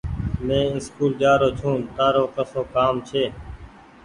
مينٚ اسڪول جآرو ڇوٚنٚ تآرو ڪسو ڪآم ڇي